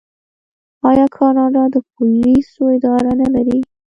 آیا کاناډا د پولیسو اداره نلري؟